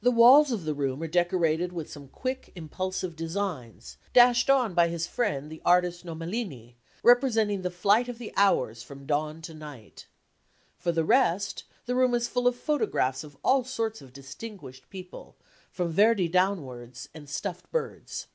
The walls of the room are decorated with some quick impulsive designs, dashed on by his friend the artist Nomellini, representing the flight of the hours from dawn to night. For the rest, the room is full of photographs of all sorts of distinguished people, from Verdi downwards, and stuffed birds.